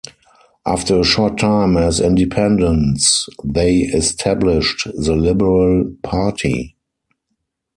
After a short time as independents, they established the Liberal Party.